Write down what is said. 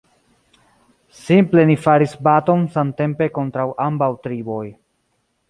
Simple ni faris baton samtempe kontraŭ ambaŭ triboj.